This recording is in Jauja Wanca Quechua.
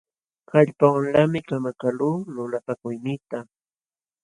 Kallpawanlaqmi kamakaqluu lulapakuyniita.